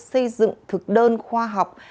xây dựng thực đơn khoa học